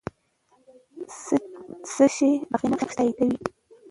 څه شی د هغې نقش تاییدوي؟